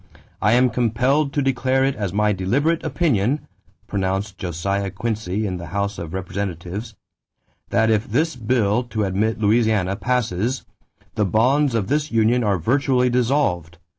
"I am compelled to declare it as my deliberate opinion," pronounced Josiah Quincy in the House of Representatives, "that if this bill [to admit Louisiana] passes, the bonds of this Union are virtually dissolved